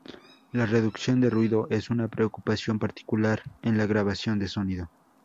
La reducción de ruido es una preocupación particular en la grabación de sonido.